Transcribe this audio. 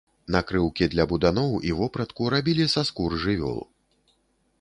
Накрыўкі для буданоў і вопратку рабілі са скур жывёл.